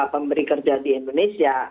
pemberi kerja di indonesia